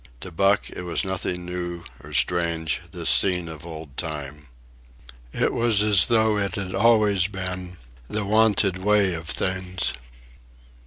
To Buck it was nothing new or strange, this scene of old time. It was as though it had always been, the wonted way of things.